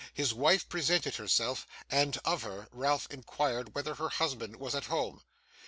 His wife presented herself; and, of her, Ralph inquired whether her husband was at home.